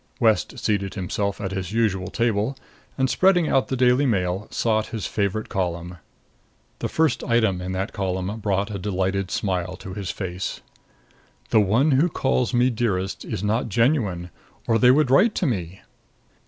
West seated himself at his usual table and, spreading out the Daily Mail, sought his favorite column. The first item in that column brought a delighted smile to his face: "The one who calls me Dearest is not genuine or they would write to me."